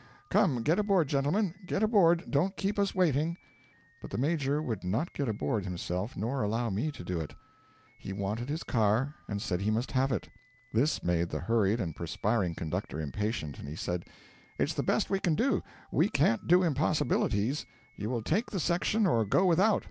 Come, get aboard, gentlemen, get aboard don't keep us waiting.' But the Major would not get aboard himself nor allow me to do it. He wanted his car, and said he must have it. This made the hurried and perspiring conductor impatient, and he said: 'It's the best we can do we can't do impossibilities. You will take the section or go without.